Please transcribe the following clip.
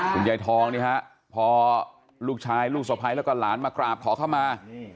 คุณยายทองนี่ฮะพอลูกชายลูกสะพ้ายแล้วก็หลานมากราบขอเข้ามา